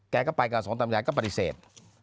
แก่ก็ไปการสงสันตำรายก็ปฏิเสธ